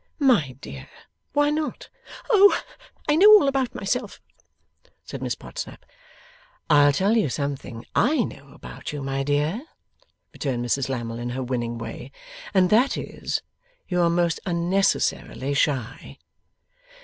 'My dear, why not?' 'Oh I know all about myself,' said Miss Podsnap. 'I'll tell you something I know about you, my dear,' returned Mrs Lammle in her winning way, 'and that is, you are most unnecessarily shy.